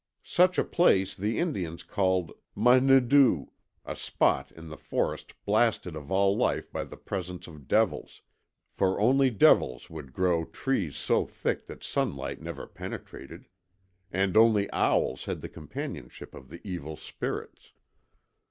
Such a place the Indians called MUHNEDOO a spot in the forest blasted of all life by the presence of devils; for only devils would grow trees so thick that sunlight never penetrated. And only owls held the companionship of the evil spirits.